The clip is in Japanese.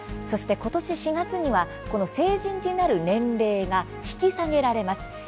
そしてことし４月にはこの成人になる年齢が引き下げられます。